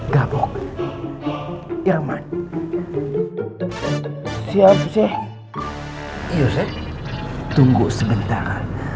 gabung irman siap sih iya set tunggu sebentar